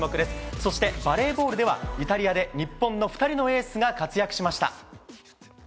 そして、バレーボールではイタリアで日本の２人のエースが活躍しました。